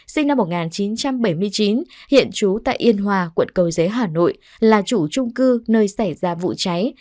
sinh năm một nghìn chín trăm bảy mươi chín hiện trú tại yên hòa quận cầu giấy hà nội là chủ trung cư nơi xảy ra vụ cháy